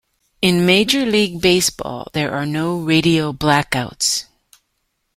In Major League Baseball, there are no radio blackouts.